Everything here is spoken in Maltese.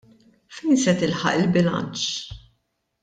Fejn se tilħaq il-bilanċ?